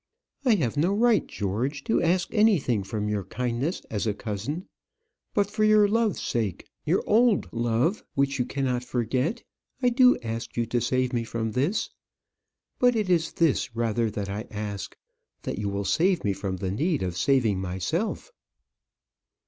"I have no right, George, to ask anything from your kindness as a cousin; but for your love's sake, your old love, which you cannot forget, I do ask you to save me from this. But it is this rather that I ask, that you will save me from the need of saving myself."